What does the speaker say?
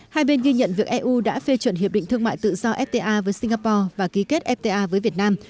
hai bên ghi nhận việc eu đã phê chuẩn hiệp định thương mại tự do fta với singapore và ký kết fta với việt nam